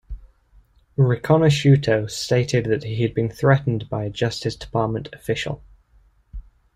Riconosciuto stated that he had been threatened by a justice department official.